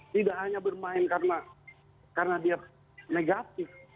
tidak hanya bermain karena dia negatif